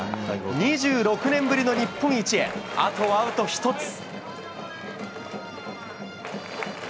２６年ぶりの日本一へ、あとアウト１つ。